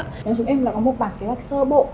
chúng em là có một bảng kế hoạch sơ bộ